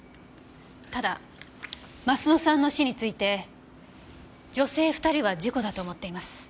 ただ鱒乃さんの死について女性２人は事故だと思っています。